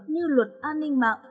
như luật an ninh mạng